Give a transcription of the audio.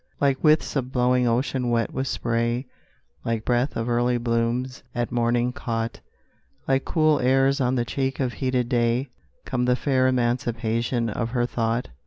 Like widths of blowing ocean wet with spray, Like breath of early blooms at morning caught, Like cool airs on the cheek of heated day, Come the fair emanations of her thought.